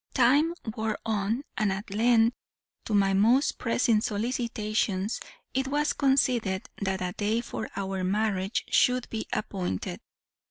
"Time wore on, and at length, to my most pressing solicitations it was conceded that a day for our marriage should be appointed.